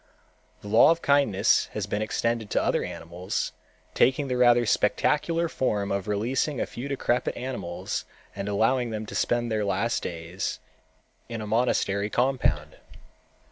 The law of kindness has been extended to other animals, taking the rather spectacular form of releasing a few decrepit animals and allowing them to spend their last days in a monastery compound.